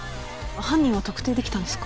犯人を特定できたんですか？